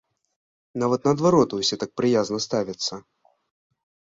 Нават наадварот усе так прыязна ставяцца.